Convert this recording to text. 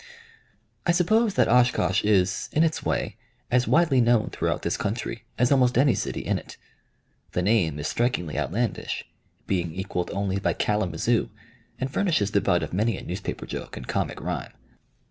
I suppose that Oshkosh is, in its way, as widely known throughout this country as almost any city in it. The name is strikingly outlandish, being equaled only by Kalamazoo, and furnishes the butt of many a newspaper joke and comic rhyme.